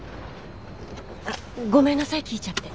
あっごめんなさい聞いちゃって。